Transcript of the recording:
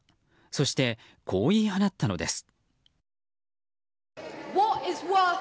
そして、こう言い放ったのです。